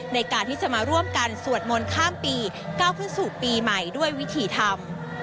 ในการที่จะมาร่วมกันสวดมนต์ข้ามปีก้าวขึ้นสู่ปีใหม่ด้วยวิธีธรรม